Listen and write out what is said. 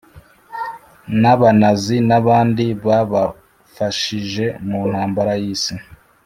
nAbanazi n abandi babafashije mu ntambara yi isi